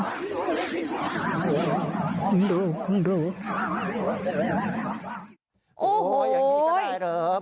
โอ้โหก็ได้เลยเย้อ